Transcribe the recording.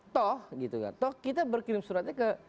toh kita berkirim suratnya